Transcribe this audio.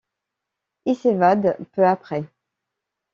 Il s'évade peu après.